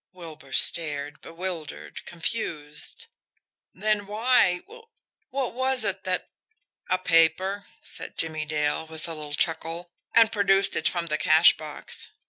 Wilbur stared bewildered, confused. "Then why what was it that " "A paper," said Jimmie Dale, with a little chuckle and produced it from the cash box.